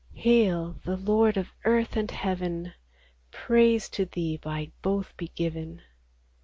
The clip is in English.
69 Hail, the Lord of earth and heaven ! Praise to Thee by both be given